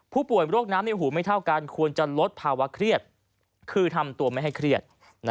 ผู้ป่วยโรคน้ำในหูไม่เท่ากันควรจะลดภาวะเครียดคือทำตัวไม่ให้เครียด